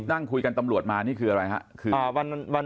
นั่งคุยกันตำรวจมานี่คืออะไรครับ